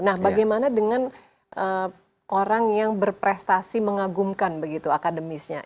nah bagaimana dengan orang yang berprestasi mengagumkan begitu akademisnya